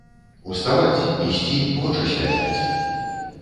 Уставаць, ісці, ноч асвятляць!